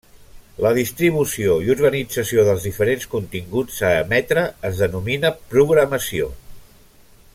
La distribució i organització dels diferents continguts a emetre es denomina programació.